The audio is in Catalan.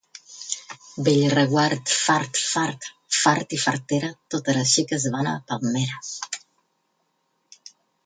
Bellreguard, fart, fart. Fart i fartera, totes les xiques van a Palmera.